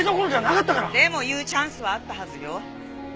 でも言うチャンスはあったはずよ。